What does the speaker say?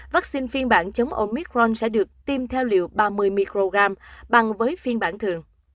vaccine phiên bản chống omicron sẽ được tiêm theo liều ba mươi mg bằng với phiên bản thường